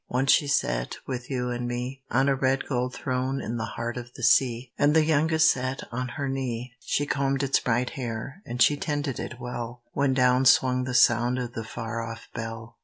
Once she sate with you and me, On a red gold throne in the heart of the sea, RAINBOW GOLD And the youngest sate on her knee, She combed its bright hair, and she tended it well, When down swung the sound of the far off bell.